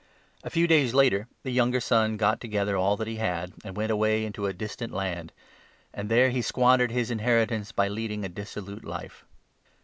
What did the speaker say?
A few days later the younger son got 13 together all that he had, and went away into a distant land ; and there he squandered his inheritance by leading a dissolute life.